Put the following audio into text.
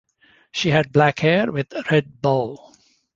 She had black hair with a red bow.